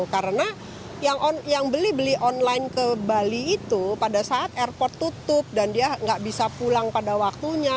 karena yang beli beli online ke bali itu pada saat airport tutup dan dia nggak bisa pulang pada waktunya